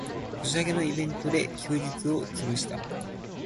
ソシャゲのイベントで休日をつぶした